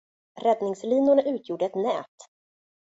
Räddningslinorna utgjorde ett nät.